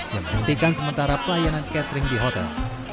yang menghentikan sementara pelayanan catering di hotel